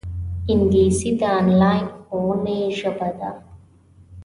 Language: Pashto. انګلیسي د انلاین ښوونې ژبه ده